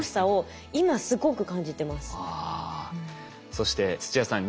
そして土屋さん